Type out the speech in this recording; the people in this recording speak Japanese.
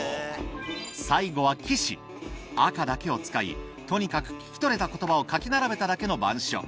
最後は岸赤だけを使いとにかく聞き取れた言葉を書き並べただけの板書